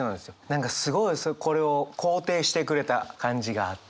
何かすごいこれを肯定してくれた感じがあって。